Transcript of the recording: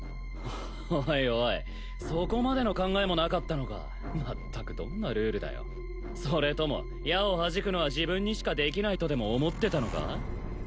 おいおいそこまでの考えもなかったのかまったくどんなルールだよそれとも矢をはじくのは自分にしかできないとでも思ってたのか？